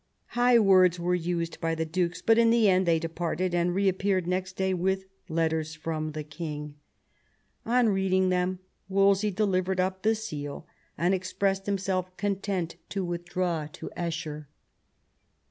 High words were used by the dukes, but in the end they departed, and reap peared next day with letters from the king. On reading them Wolsey delivered up the seal, and expressed him self content to withdraw to Esher.